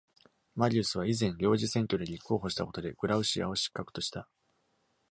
マリウスは以前、領事選挙で立候補したことでグラウシアを失格とした。